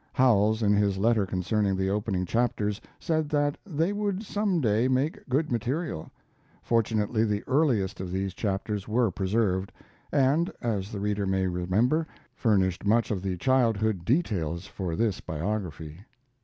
[Howells, in his letter concerning the opening chapters, said that they would some day make good material. Fortunately the earliest of these chapters were preserved, and, as the reader may remember, furnished much of the childhood details for this biography.